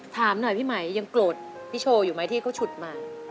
ถามหน่อยพี่ไหมยังโกรธพี่โชว์อยู่ไหมที่เขาฉุดมา